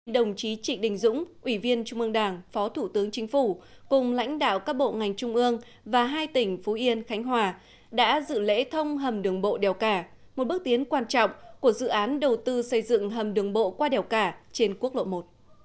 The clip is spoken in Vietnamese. đồng chí trịnh đình dũng ủy viên trung ương đảng phó thủ tướng chính phủ cùng lãnh đạo các bộ ngành trung ương và hai tỉnh phú yên khánh hòa đã dự lễ thông hầm đường bộ đèo cả một bước tiến quan trọng của dự án đầu tư xây dựng hầm đường bộ qua đèo cả trên quốc lộ một